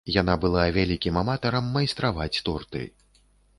Яна была вялікім аматарам майстраваць торты.